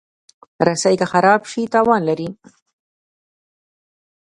رسۍ که خراب شي، تاوان لري.